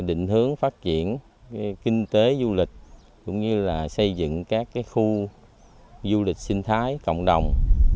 định hướng phát triển kinh tế du lịch cũng như là xây dựng các khu du lịch sinh thái cộng đồng